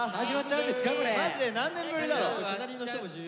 マジで何年ぶりだろ。